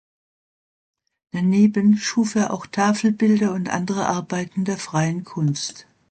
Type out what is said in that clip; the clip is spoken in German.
Daneben schuf er auch Tafelbilder und andere Arbeiten der freien Kunst.